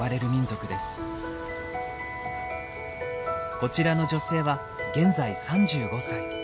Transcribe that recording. こちらの女性は現在３５歳。